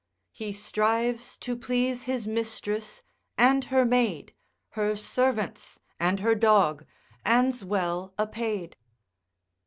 He strives to please his mistress, and her maid, Her servants, and her dog, and's well apaid.